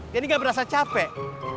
jadi ga berasa capek